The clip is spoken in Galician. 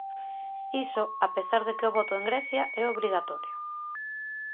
Iso, a pesar de que o voto en Grecia é obrigatorio.